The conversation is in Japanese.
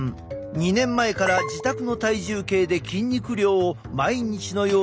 ２年前から自宅の体重計で筋肉量を毎日のように測っていた。